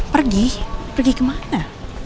pergi pergi ke mana